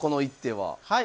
はい。